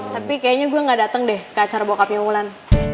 tapi kayaknya gue gak dateng deh ke acara bokapnya mulan